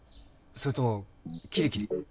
それともキリキリ？